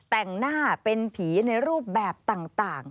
แต่งหน้าเป็นผีในรูปแบบต่าง